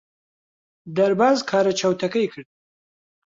دەرباز کارە چەوتەکەی کرد.